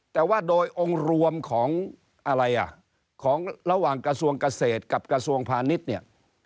แต่ว่าโดยองค์รวมของอะไรอ่ะของระหว่างกระทรวงเกษตรกับกระทรวงพาณิชย์เนี่ย